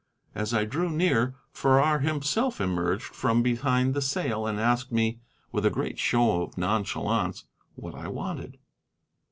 As I drew near, Farrar himself emerged from behind the sail and asked me, with a great show of nonchalance, what I wanted.